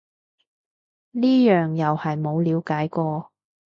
呢樣又係冇了解過